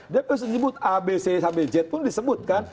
dia harus disebut abc sampai z pun disebut kan